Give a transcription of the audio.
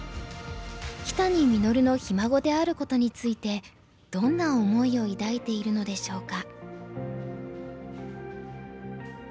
木谷實のひ孫であることについてどんな思いを抱いているのでしょうか。